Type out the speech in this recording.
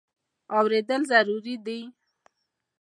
اورېدل ضروري دی.